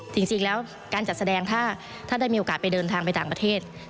จริงแล้วการจัดแสดงถ้าได้มีโอกาสไปเดินทางไปต่างประเทศ